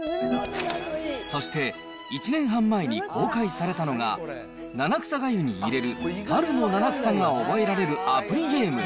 そして、１年半前に公開されたのが、七草がゆに入れる、春の七草が覚えられるアプリゲーム。